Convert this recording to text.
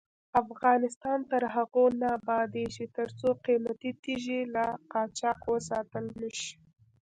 افغانستان تر هغو نه ابادیږي، ترڅو قیمتي تیږې له قاچاق وساتل نشي.